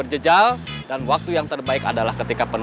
regelnya baik baik aja